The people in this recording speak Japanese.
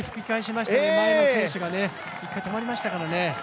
やっぱり前の選手が一回止まりましたからね。